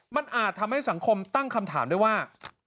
มันอาจทำให้สังคมตั้งคำถามได้ว่า